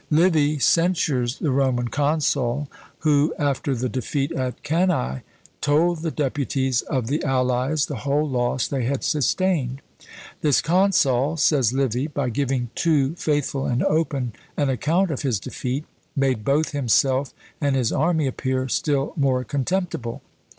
Livy censures the Roman consul, who, after the defeat at CannÃḊ, told the deputies of the allies the whole loss they had sustained: "This consul," says Livy, "by giving too faithful and open an account of his defeat, made both himself and his army appear still more contemptible."